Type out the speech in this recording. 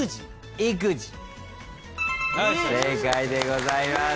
正解でございます。